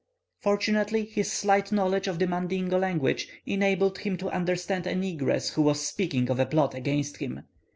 Fortunately his slight knowledge of the Mandingo language enabled him to understand a negress who was speaking of a plot against him.